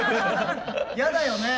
嫌だよね。